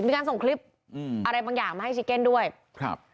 มีการส่งคลิปอืมอะไรบางอย่างมาให้ซิเก้นด้วยครับ